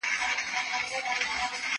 زه به تکړښت کړی وي،